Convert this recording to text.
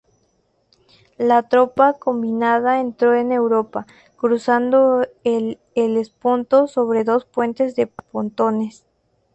La tropa combinada entró en Europa, cruzando el Helesponto sobre dos puentes de pontones.